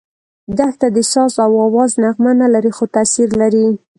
دښته د ساز او آواز نغمه نه لري، خو تاثیر لري.